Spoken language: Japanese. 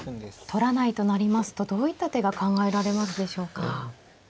取らないとなりますとどういった手が考えられますでしょうか。